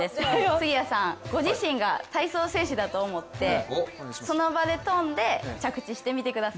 杉谷さん、ご自身が体操選手だと思ってその場で跳んで、着地してみてください。